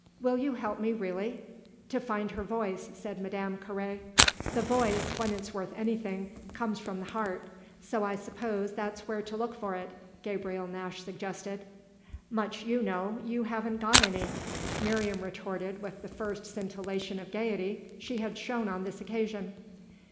"Will you help me really?" "To find her voice," said Madame Carré. "The voice, when it's worth anything, comes from the heart; so I suppose that's where to look for it," Gabriel Nash suggested. "Much you know; you haven't got any!" Miriam retorted with the first scintillation of gaiety she had shown on this occasion.